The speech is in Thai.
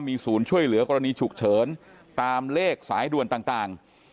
มีศูนย์ช่วยเหลือกรณีฉุกเฉินตามเลขสายด่วนต่าง